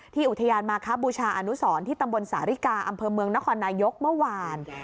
อุทยานมาครับบูชาอนุสรที่ตำบลสาริกาอำเภอเมืองนครนายกเมื่อวาน